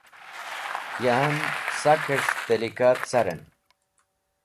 Yan sakẽs̃h tẽlika carẽn.